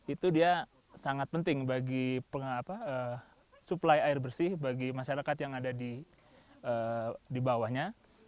itu dia sangat penting bagi suplai air bersih bagi masyarakat yang ada di bawahnya